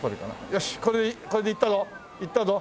よしこれでいったぞ。いったぞ。